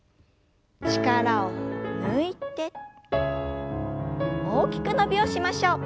力を抜いて大きく伸びをしましょう。